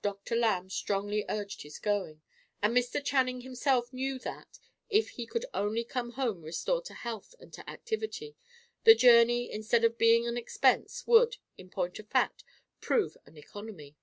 Dr. Lamb strongly urged his going, and Mr. Channing himself knew that, if he could only come home restored to health and to activity, the journey instead of being an expense, would, in point of fact, prove an economy.